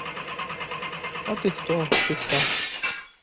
А ты хто, ты хто?